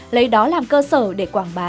lấy đó làm cơ sở để quảng bá